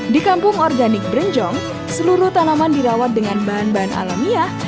di kampung organik berenjong seluruh tanaman dirawat dengan bahan bahan alamiah